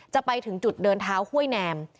ไปถึงจุดเดินเท้าห้วยแนม